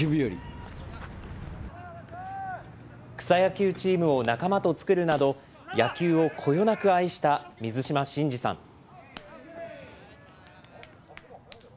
草野球チームを仲間と作るなど、野球をこよなく愛した水島新司さん。